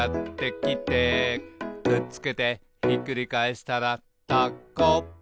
「くっつけてひっくり返したらタコ」